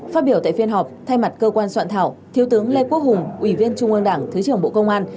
phát biểu tại phiên họp thay mặt cơ quan soạn thảo thiếu tướng lê quốc hùng ủy viên trung ương đảng thứ trưởng bộ công an